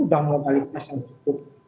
udah modalitas yang cukup